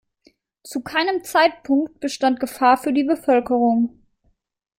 Zu keinem Zeitpunkt bestand Gefahr für die Bevölkerung.